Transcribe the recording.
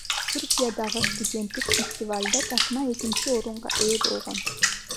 Түркиядагы студенттик фестивалда тасма экинчи орунга ээ болгон.